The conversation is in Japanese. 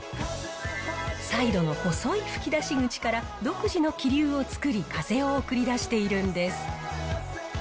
サイドの細い吹き出し口から独自の気流を作り、風を送り出しているんです。